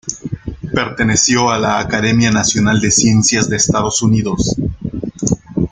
Perteneció a la Academia Nacional de Ciencias de Estados Unidos.